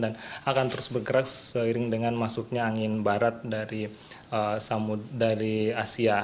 dan akan terus bergerak seiring dengan masuknya angin barat dari asia